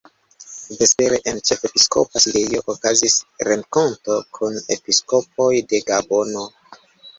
Vespere en ĉefepiskopa sidejo okazis renkonto kun episkopoj de Gabono.